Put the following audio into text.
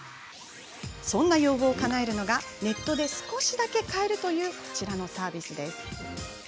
そんな要望をかなえるのがネットで少しだけ買えるというサービス。